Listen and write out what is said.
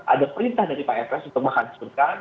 ada perintah dari pak efes untuk menghancurkan